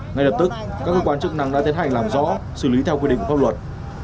ngay lập tức các cơ quan chức năng đã tiến hành làm rõ xử lý theo quy định pháp luật